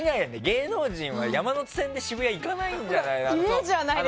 芸能人は山手線で渋谷に行かないんじゃない？